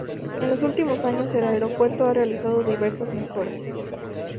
En los últimos años, el aeropuerto ha realizado diversas mejoras.